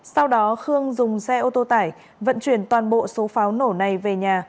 sau đó khương dùng xe ô tô tải vận chuyển toàn bộ số pháo nổ này về nhà